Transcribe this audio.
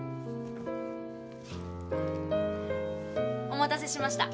おまたせしました。